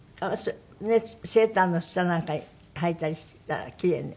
セーターの下なんかにはいたりしてたらキレイね。